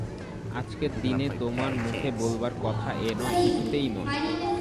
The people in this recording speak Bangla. আজকের দিনে তোমার মুখে বলবার কথা এ নয়, কিছুতেই নয়।